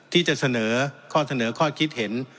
ที่จะเสนอข้อเสนอข้อคิดเห็น